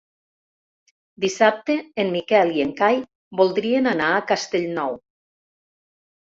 Dissabte en Miquel i en Cai voldrien anar a Castellnou.